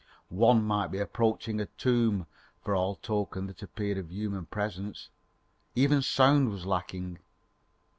One might be approaching a tomb for all token that appeared of human presence. Even sound was lacking.